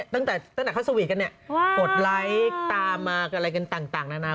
ตั้งแต่ตั้งแต่เขาสวีตกันกดไลค์ตามมากันอะไรกันต่างนานา